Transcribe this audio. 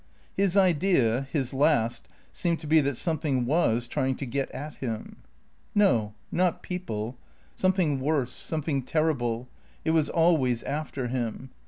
His idea his last seemed to be that something was trying to get at him. No, not people. Something worse, something terrible. It was always after him.